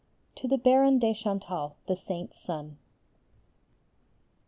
_To the Baron de Chantal, the Saint's Son.